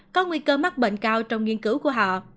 có nguy cơ mắc bệnh cao trong nghiên cứu của họ